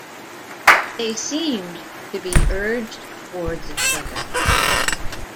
They seemed to be urged towards each other.